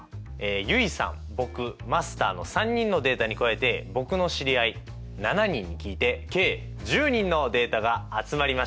結衣さん僕マスターの３人のデータに加えて僕の知り合い７人に聞いて計１０人のデータが集まりました！